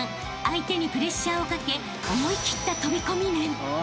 相手にプレッシャーをかけ思い切った飛び込み面］